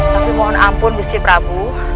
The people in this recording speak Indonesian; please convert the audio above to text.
tapi mohon ampun misi prabu